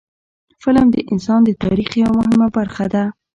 فلم د انسان د تاریخ یوه مهمه برخه ده